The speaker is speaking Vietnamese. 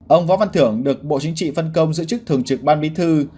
ông võ văn thưởng được bộ chính trị phân công giữ chức thường trực ban bí thư